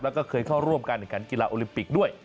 แล้วก็เคยเข้าร่วมการแข่งขันกีฬาโอลิมปิกด้วย